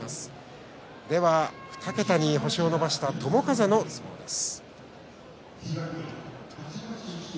では２桁に星を伸ばした友風の一番です。